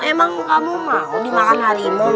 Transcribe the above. emang kamu mau dimakan harimau